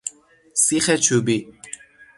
سیخ چوبی